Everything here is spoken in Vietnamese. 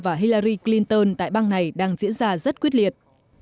và hillari clinton tại bang này đang diễn ra rất quyết liệt